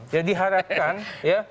ya diharapkan ya